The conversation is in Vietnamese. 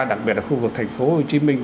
đặc biệt là khu vực thành phố hồ chí minh